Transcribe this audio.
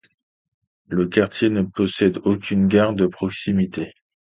Le quartier ne possède aucune gare de proximité.